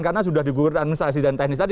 karena sudah di gugur administrasi dan teknis tadi